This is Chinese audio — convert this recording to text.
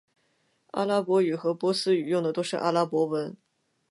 阿拉伯语和波斯语用的都是阿拉伯文。